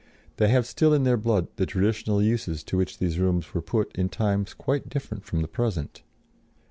They have still in their blood the traditional uses to which these rooms were put in times quite different from the present.